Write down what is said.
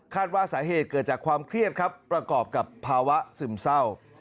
ว่าสาเหตุเกิดจากความเครียดครับประกอบกับภาวะซึมเศร้า